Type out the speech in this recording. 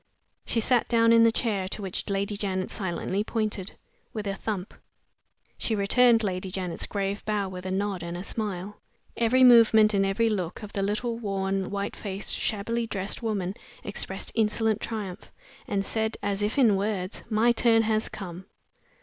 She sat down in the chair, to which Lady Janet silently pointed, with a thump; she returned Lady Janet's grave bow with a nod and a smile. Every movement and every look of the little, worn, white faced, shabbily dressed woman expressed insolent triumph, and said, as if in words, "My turn has come!"